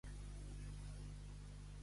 Armes no estan bé en mans de bèsties.